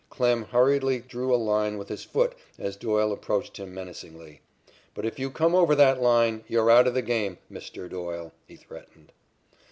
Klem hurriedly drew a line with his foot as Doyle approached him menacingly. "But if you come over that line, you're out of the game, Mr. Doyle," he threatened.